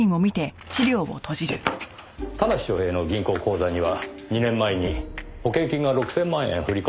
田無昌平の銀行口座には２年前に保険金が６０００万円振り込まれていました。